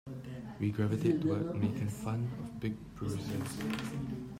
We gravitate toward making fun of big bruisers.